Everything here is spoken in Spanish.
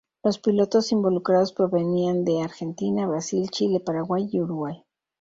Los pilotos involucrados provenían de Argentina, Brasil, Chile, Paraguay y Uruguay.